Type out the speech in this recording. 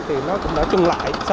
thì nó cũng đã chung lại